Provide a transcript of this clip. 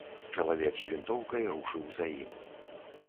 Чалавек з вінтоўкай рушыў за ім.